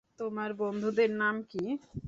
তোমার বন্ধুদের নাম কী?